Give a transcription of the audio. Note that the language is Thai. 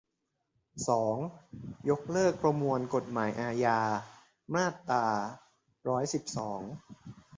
สอง ยกเลิกประมวลกฎหมายอาญา มาตราร้อยสิบสอง